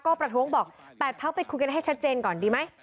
ก็ประท้วงบอก๘พักไปคุยกันให้ชัดเจนก่อนดีไหม